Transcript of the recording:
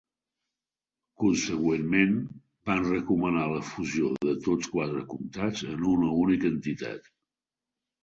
Consegüentment, van recomanar la fusió de tots quatre comtats en una única entitat.